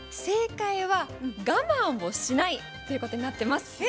正解は我慢をしないということになってます。